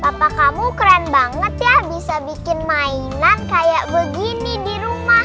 apa kamu keren banget ya bisa bikin mainan kayak begini di rumah